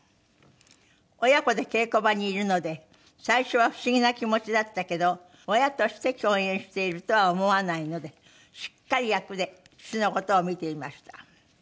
「親子で稽古場にいるので最初は不思議な気持ちだったけど親として共演しているとは思わないのでしっかり役で父の事を見ていました」